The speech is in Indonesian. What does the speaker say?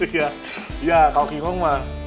iya iya kau kagetan mah